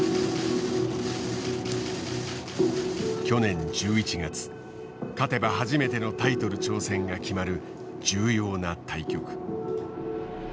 去年１１月勝てば初めてのタイトル挑戦が決まる重要な対局。